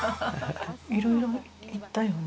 いろいろいったよね。